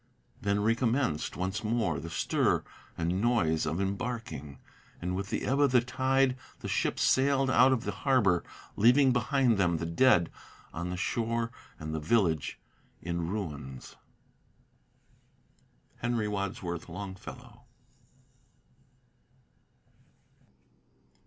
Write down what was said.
Then recommenced once more the stir and noise of embarking; And with the ebb of the tide the ships sailed out of the harbor, Leaving behind them the dead on the shore, and the village in ruins. HENRY WADSWORTH LONGFELLOW.